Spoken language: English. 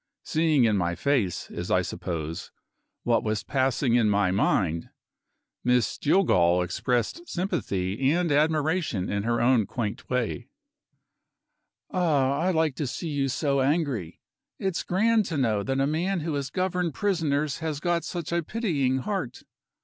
Seeing in my face, as I suppose, what was passing in my mind, Miss Jillgall expressed sympathy and admiration in her own quaint way: "Ah, I like to see you so angry! It's grand to know that a man who has governed prisoners has got such a pitying heart.